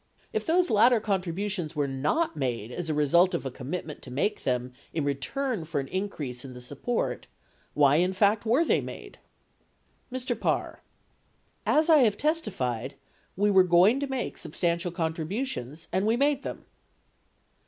If those latter contributions were not made as a result of a commitment to make them in return for an increase in the sup port, why in fact were they made ? Mr. Parr. As I have testified, we were going to make sub stantial contributions, and we made them.